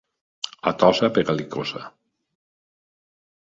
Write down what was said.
A Tossa, pega-li coça.